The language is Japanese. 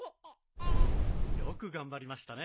よく頑張りましたね。